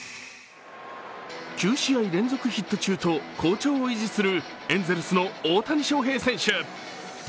９試合連続ヒット中と好調を維持するエンゼルスの大谷翔平選手。